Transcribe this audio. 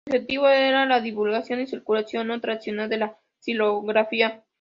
Su objetivo era la divulgación y circulación no tradicional de la xilografía.